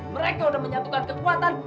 mereka udah menyatukan kekuatan